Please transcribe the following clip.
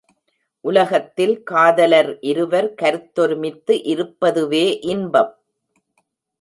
உலகத்தில் காதலர் இருவர் கருத்தொருமித்து இருப்பதுவே இன்பம்.